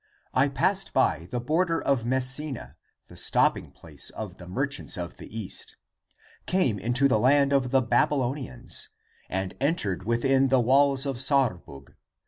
I passed by the border of Mesene, The stopping place of the merchants of the East, Came into the land of the Babylonians <And entered within the walls of Sarbug.